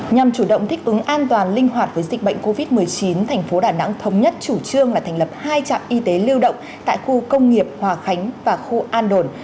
nhằm chủ động thích ứng an toàn linh hoạt với dịch bệnh covid một mươi chín thành phố đà nẵng thống nhất chủ trương là thành lập hai trạm y tế lưu động tại khu công nghiệp hòa khánh và khu an đồn